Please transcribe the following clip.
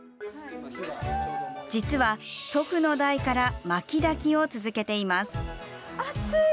実は、祖父の代から薪焚きを続けています。